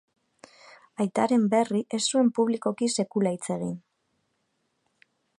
Aitaren berri ez zuen publikoki sekula hitz egin.